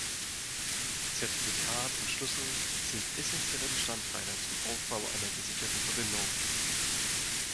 Zertifikat und Schlüssel sind essentielle Bestandteile zum Aufbau einer gesicherten Verbindung.